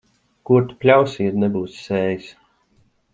Ko tu pļausi, ja nebūsi sējis.